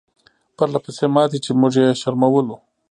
پرله پسې ماتې چې موږ یې شرمولو.